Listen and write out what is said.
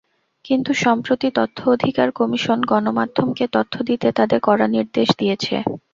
কিন্তু সম্প্রতি তথ্য অধিকার কমিশন গণমাধ্যমকে তথ্য দিতে তাদের কড়া নির্দেশ দিয়েছে।